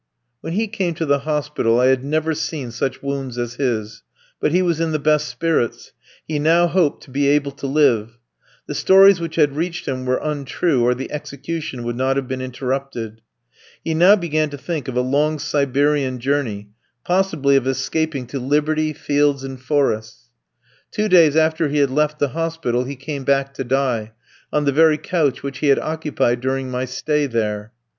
When he came to the hospital I had never seen such wounds as his; but he was in the best spirits. He now hoped to be able to live. The stories which had reached him were untrue, or the execution would not have been interrupted. He now began to think of a long Siberian journey, possibly of escaping to liberty, fields, and forests. Two days after he had left the hospital he came back to die on the very couch which he had occupied during my stay there.